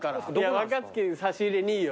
若槻差し入れにいいよ。